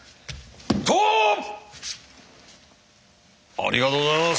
ありがとうございます。